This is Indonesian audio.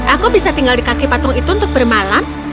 aku bisa tinggal di kaki patung itu untuk bermalam